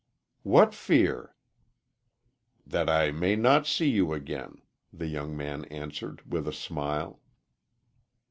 "What fear?" "That I may not see you again," the young man answered, with a smile.